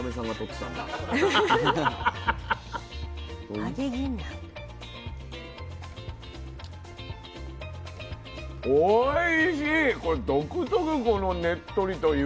おいしい！